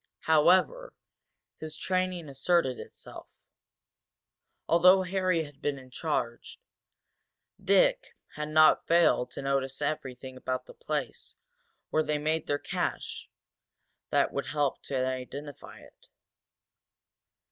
However, his training asserted itself. Although Harry had been in charge, Dick had not failed to notice everything about the place where they made their cache that would help to identify it.